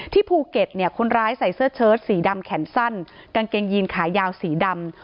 ภูเก็ตเนี่ยคนร้ายใส่เสื้อเชิดสีดำแขนสั้นกางเกงยีนขายาวสีดำ